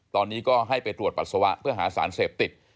ตอนนี้ก็ให้ไปตรวจปัสสาวะเพื่อหาสารเสพติด